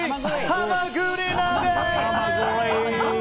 ハマグリ！